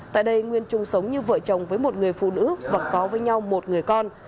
tại đây nguyên chung sống như vợ chồng với một người phụ nữ và có với nhau một người con